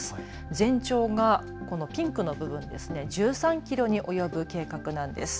全長がこのピンクの部分、１３キロに及ぶ計画なんです。